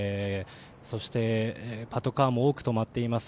そして、パトカーも多く止まっています。